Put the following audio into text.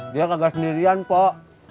dia tidak sendirian pok